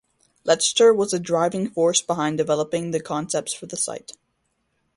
Lechter was a driving force behind developing the concepts for the site.